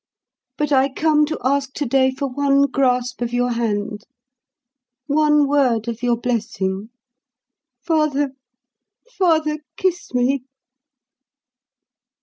But I come to ask today for one grasp of your hand, one word of your blessing. Father, father, kiss me!"